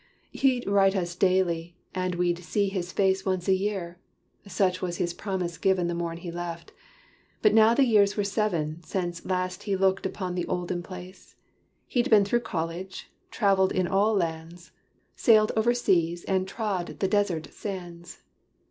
"He'd write us daily, and we'd see his face Once every year." Such was his promise given The morn he left. But now the years were seven Since last he looked upon the olden place. He'd been through college, traveled in all lands, Sailed over seas, and trod the desert sands.